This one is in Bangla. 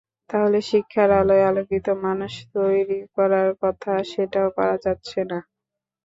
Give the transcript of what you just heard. তাহলে শিক্ষার আলোয় আলোকিত মানুষ তৈরি করার কথা, সেটাও পারা যাচ্ছে না।